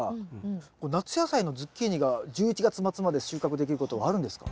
これ夏野菜のズッキーニが１１月末まで収穫できることあるんですか？